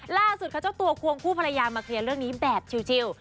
ล่าสุดค่ะเจ้าตัวควงคู่ภรรยามาเคลียร์เรื่องนี้แบบชิล